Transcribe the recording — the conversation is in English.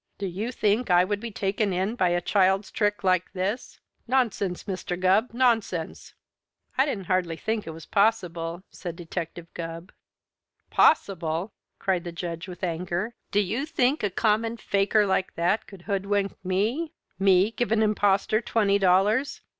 "Do you think I would be taken in by a child's trick like this? Nonsense, Mr. Gubb, nonsense!" "I didn't hardly think it was possible," said Detective Gubb. "Possible?" cried the Judge with anger. "Do you think a common faker like that could hoodwink me? Me give an impostor twenty dollars!